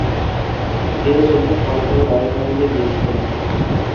নীল Joseph কলম্বোর Royal কলেজে গিয়েছিলেন।